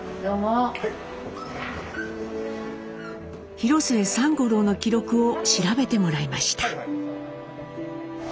広末三五郎の記録を調べてもらいました。